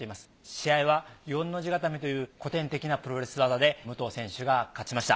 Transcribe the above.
試合は４の字固めという古典的なプロレス技で武藤選手が勝ちました。